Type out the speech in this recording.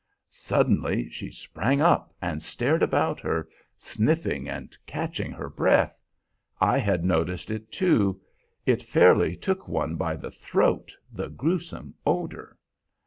Suddenly she sprang up and stared about her, sniffing and catching her breath. I had noticed it too; it fairly took one by the throat, the gruesome odor.